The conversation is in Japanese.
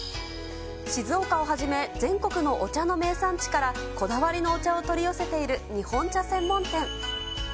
静岡をはじめ、全国のお茶の名産地から、こだわりのお茶を取り寄せている日本茶専門店。